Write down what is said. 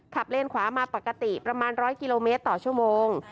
เลนขวามาปกติประมาณ๑๐๐กิโลเมตรต่อชั่วโมง